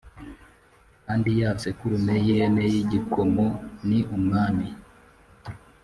Kandi ya sekurume y ihene y igikomo ni umwami